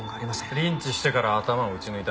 リンチしてから頭を撃ち抜いた。